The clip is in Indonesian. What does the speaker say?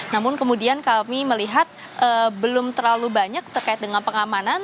namun kemudian kami melihat belum terlalu banyak terkait dengan pengamanan